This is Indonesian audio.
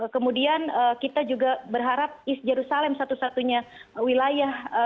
kemudian kita juga berharap east jerusalem satu satunya wilayah